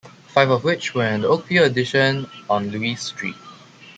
Five of which were in the Oakview addition on Louise Street.